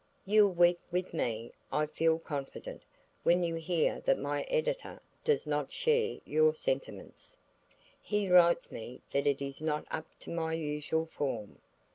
You'll weep with me, I feel confident, when you hear that my Editor does not share your sentiments. He writes me that it is not up to my usual form.